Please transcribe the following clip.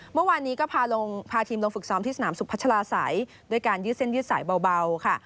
เมื่อวานนี้ก็พาลงพาทีมลงฝึกซ้อมที่สนามสุพัชลาศัยด้วยการยืดเส้นยืดสายเบาค่ะ